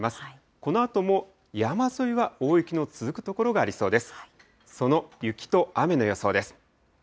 このあとも山沿いは大雪の続く所がありそうです。